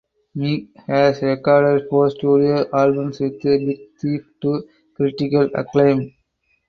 Meek has recorded four studio albums with Big Thief to critical acclaim.